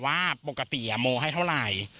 เราก็ถามว่าปกติโมให้เท่าไหร่